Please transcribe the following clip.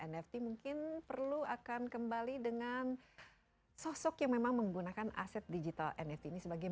nft mungkin perlu akan kembali dengan sosok yang memang menggunakan aset digital nft ini sebagai